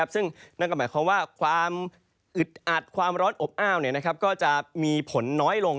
ซึ่งนั่นก็หมายความว่าความอึดอัดความร้อนอบอ้าวก็จะมีผลน้อยลง